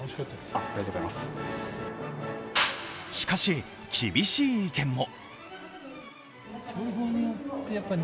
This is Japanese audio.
しかし、厳しい意見も。